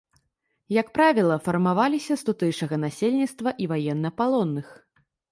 Як правіла, фармаваліся з тутэйшага насельніцтва і ваеннапалонных.